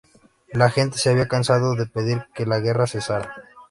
La gente se había cansado de pedir que la guerra cesara.